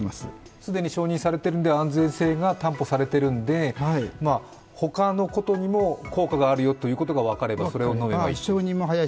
既に承認されているので安全性が担保されているので、他のことにも効果があるよということが分かれば、それを飲めばいい？